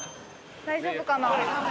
大丈夫かな？